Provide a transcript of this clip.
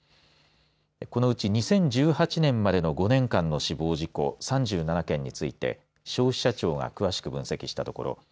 このうち２０１８年までの５年間の死亡事故３７件について消費者庁が詳しく分析したところ